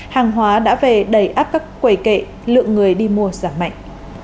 hàng hóa đã về đầy áp các quầy kệ lượng người đi mua giảm mạnh